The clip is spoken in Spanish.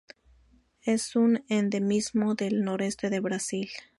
Es un endemismo del noreste de Brasil.